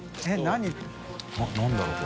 何だろう？